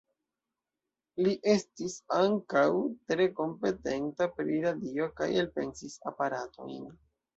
Li estis ankaŭ tre kompetenta pri radio kaj elpensis aparatojn.